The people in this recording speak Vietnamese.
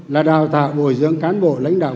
là đào tạo bồi dưỡng cán bộ lãnh đạo